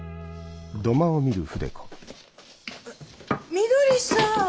みどりさん！